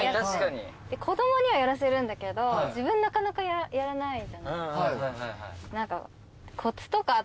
子供にはやらせるんだけど自分なかなかやらないじゃないですか。